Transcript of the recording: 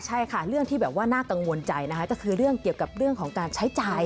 ใช่ค่ะเรื่องที่แบบว่าน่ากังวลใจนะคะก็คือเรื่องเกี่ยวกับเรื่องของการใช้จ่าย